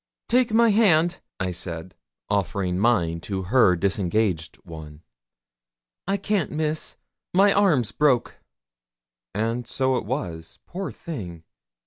'Take my hand,' I said offering mine to her disengaged one. 'I can't, Miss my arm's broke.' And so it was, poor thing!